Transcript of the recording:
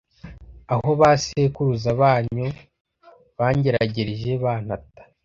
aho ba sekuruza banyu bangeragereje bantata